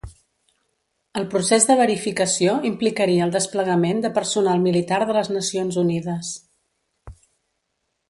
El procés de verificació implicaria el desplegament de personal militar de les Nacions Unides.